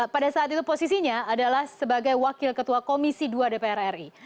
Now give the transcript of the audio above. pada saat itu posisinya adalah sebagai wakil ketua komisi dua dpr ri